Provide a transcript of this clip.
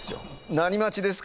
何待ちですか？